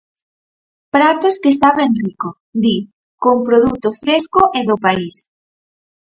Pratos que saben rico, di, con produto fresco e do país.